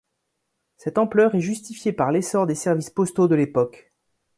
Cette ampleur est justifié par l'essor des services postaux de l'époque.